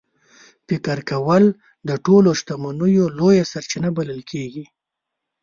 فکر کول د ټولو شتمنیو لویه سرچینه بلل کېږي.